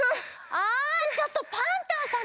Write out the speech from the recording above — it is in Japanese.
あちょっとパンタンさん